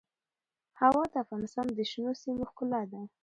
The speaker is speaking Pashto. هوا د افغانستان د شنو سیمو ښکلا ده.